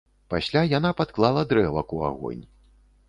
Пасля яна падклала дрэвак у агонь.